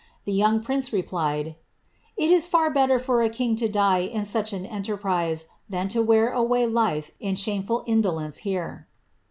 The young prinee ttftdi 'J= ^^ It is far better for a king to die in such an enterprise, than to mm (^ away life in shameful indolence here."